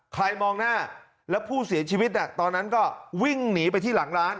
มองหน้าแล้วผู้เสียชีวิตตอนนั้นก็วิ่งหนีไปที่หลังร้าน